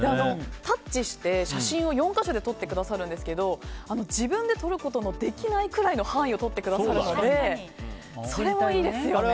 タッチして写真を４か所で撮ってくださるんですけど自分で撮ることのできないくらいの範囲を撮ってくださるのでそれもいいですよね。